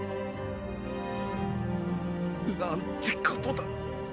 何ってことだ！！